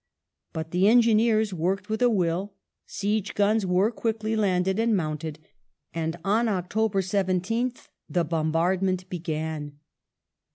But the engineers worked with a will, siege guns were quickly landed and mounted, and on October 17th the bombardment began.